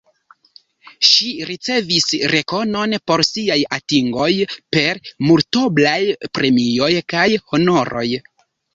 Ŝi ricevis rekonon por siaj atingoj per multoblaj premioj kaj honoroj.